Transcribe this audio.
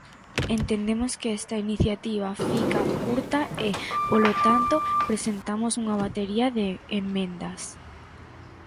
Entendemos que esta iniciativa fica curta e, polo tanto, presentamos unha batería de emendas.